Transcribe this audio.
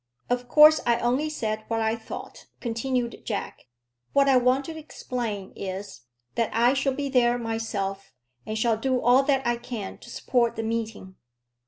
"Of course I only said what I thought," continued Jack. "What I want to explain is, that I shall be there myself, and shall do all that I can to support the meeting."